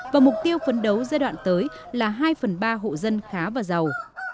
và mục tiêu phấn đấu giai đoạn tới là hai phần ba hộ dân khá và giàu